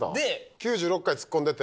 ９６回ツッコんでて？